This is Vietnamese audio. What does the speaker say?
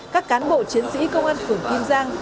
các cán bộ chiến sĩ công an phường kim giang